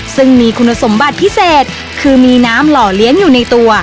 ซึ่งมีคุณสมบัติพิเศษคือมีน้ำหล่อเลี้ยงอยู่ในตัว